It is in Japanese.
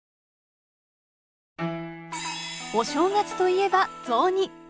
お正月といえば雑煮！